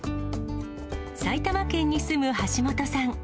埼玉県に住む橋本さん。